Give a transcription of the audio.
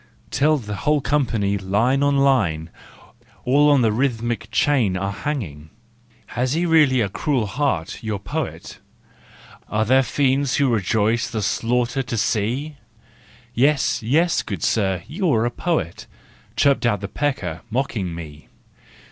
— Till the whole company, line on line, All on the rhythmic chain are hanging. Has he really a cruel heart, your poet ? Are there fiends who rejoice, the slaughter to see ? "Yes, yes, good sir, you are a poet," Chirped out the pecker, mocking me.